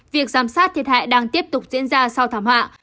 việc giám sát thiệt hại đang tiếp tục diễn ra sau thảm họa